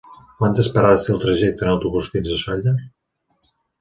Quantes parades té el trajecte en autobús fins a Sóller?